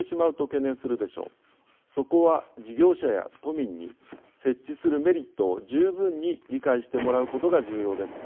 そこは事業者や都民に設置するメリットを十分に理解してもらうことが重要です。